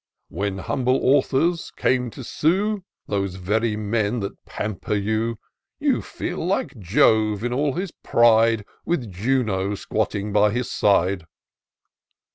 When humble authors come to sue, (Those very men that pamper you,) 272 TOUR OF DOCTOR SYNTAX You feel like Jove in all his pride. With Juno squatting by his side."